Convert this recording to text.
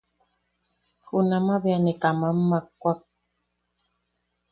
Junamaʼa bea ne kamam makwak.